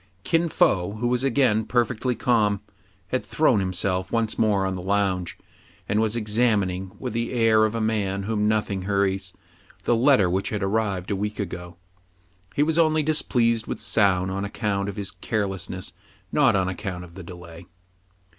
Kin Fo, who was again perfectly calm, had thrown himself once more on the lounge, and was examin ing, with the air of a man whom nothing hurries, the letter which had arrived a week ago. He was only displeased with Soun on account of his care lessness, not on account of the delay.